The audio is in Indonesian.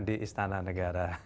di istana negara